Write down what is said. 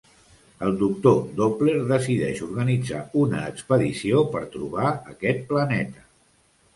El doctor Doppler decideix organitzar una expedició per trobar aquest planeta.